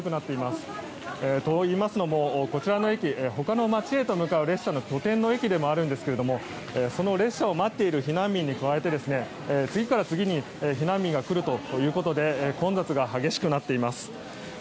といいますのも、こちらの駅他の街へと向かう列車の拠点の駅でもあるんですけどその列車を待っている避難民に加えて次から次に避難民が来るということで混雑が激しくなっています。